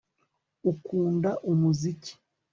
Ukunda umuziki